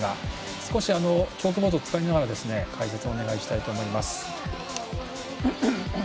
少しチョークボードを使いながら解説をお願いしたいと思います。